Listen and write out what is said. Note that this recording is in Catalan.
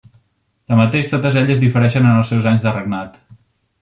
Tanmateix totes elles difereixen en els seus anys de regnat.